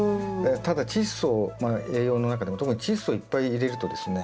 ただチッ素を栄養の中でも特にチッ素をいっぱい入れるとですね